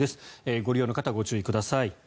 ご利用の方、ご注意ください。